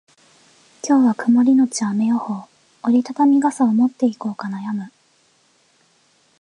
今日は曇りのち雨予報。折り畳み傘を持っていこうか悩む。